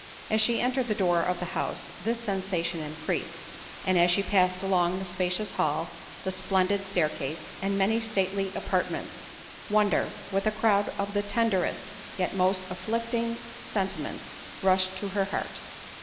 As she entered the door of the house this sensation increased—and as she passed along the spacious hall, the splendid staircase, and many stately apartments, wonder, with a crowd of the tenderest, yet most afflicting sentiments, rushed to her heart.